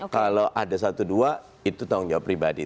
kalau ada satu dua itu tanggung jawab pribadi